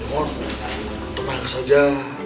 ya teman tetangga saja